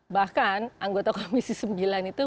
bahkan anggota komisi sembilan itu